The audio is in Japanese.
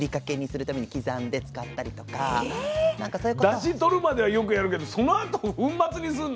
⁉だし取るまではよくやるけどそのあと粉末にすんの？